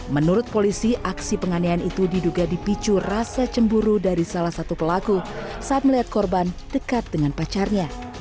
menurut polisi aksi penganiayaan itu diduga dipicu rasa cemburu dari salah satu pelaku saat melihat korban dekat dengan pacarnya